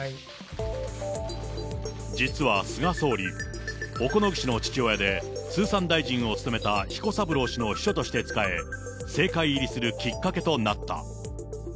実は菅総理、小此木氏の父親で通産大臣を務めた彦三郎氏の秘書としてつかえ、政界入りするきっかけとなった。